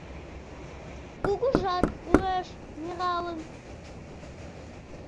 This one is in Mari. Кугыжат уэш нералын.